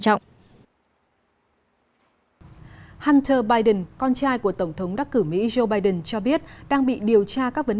trọng hunter biden con trai của tổng thống đắc cử mỹ joe biden cho biết đang bị điều tra các vấn